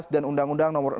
dan undang undang no sebelas